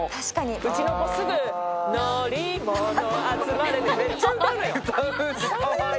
うちの子、すぐ乗り物あつまれって、めっちゃ歌うのよ。